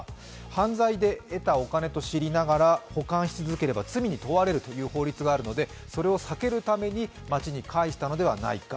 犯罪で得たお金と知りながら保管し続ければ罪に問われるという法律があるのでそれを避けるために町に返したのではないか。